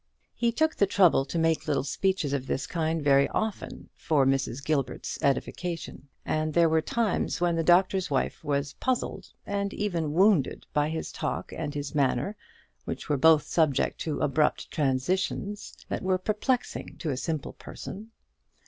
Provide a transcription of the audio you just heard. He took the trouble to make little speeches of this kind very often, for Mrs. Gilbert's edification; and there were times when the Doctor's Wife was puzzled, and even wounded, by his talk and his manner, which were both subject to abrupt transitions, that were perplexing to a simple person.